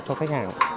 cho khách hàng